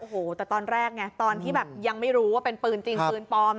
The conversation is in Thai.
โอ้โหแต่ตอนแรกไงตอนที่แบบยังไม่รู้ว่าเป็นปืนจริงปืนปลอม